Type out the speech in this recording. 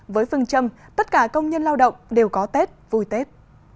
với phương châm tất cả công nhân lao động đều có tết vui tết